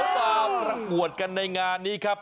มาประกวดกันในงานนี้ครับ